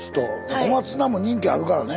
小松菜も人気あるからね。